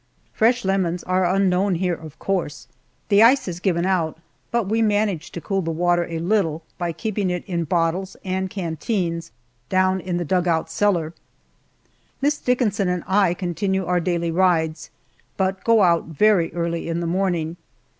Fresh lemons are unknown here, of course. The ice has given out, but we manage to cool the water a little by keeping it in bottles and canteens down in the dug out cellar. Miss Dickinson and I continue our daily rides, but go out very early in the morning.